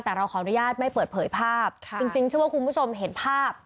แต่เราขออนุญาตไม่เปิดเผยภาพค่ะจริงจริงเชื่อว่าคุณผู้ชมเห็นภาพ